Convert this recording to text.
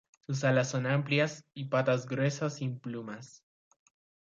Sus alas son amplias, y patas gruesas sin plumas.